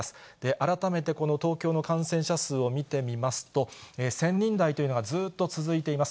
改めてこの東京の感染者数を見てみますと、１０００人台というのがずっと続いています。